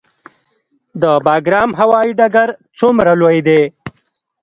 د بګرام هوايي ډګر څومره لوی دی؟